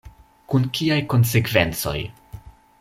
Kun kiaj konsekvencoj?